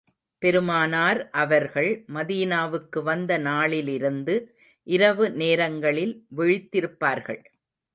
பெருமானார் அவர்கள் மதீனாவுக்கு வந்த நாளிலிருந்து, இரவு நேரங்களில் விழித்திருப்பார்கள்.